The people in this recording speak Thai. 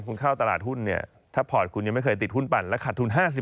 คุณเข้าตลาดหุ้นเนี่ยถ้าพอร์ตคุณยังไม่เคยติดหุ้นปั่นและขาดทุน๕๐